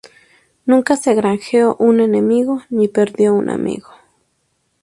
Nunca se granjeó un enemigo ni perdió un amigo.